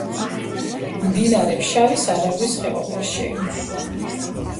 მდინარე ფშავის არაგვის ხეობაში.